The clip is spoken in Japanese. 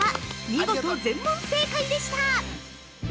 見事全問正解でした。